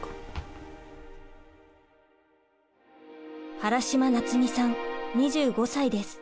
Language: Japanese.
原島なつみさん２５歳です。